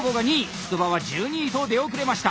つくばは１２位と出遅れました！